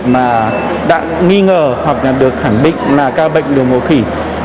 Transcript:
mà đã nghi ngờ hoặc được khẳng định là ca bệnh đậu mùa khỉ